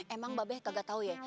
emang mbak be kagak tahu ye